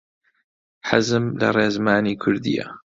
حەزم لە ڕێزمانی کوردییە.